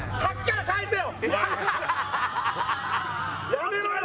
やめろよ！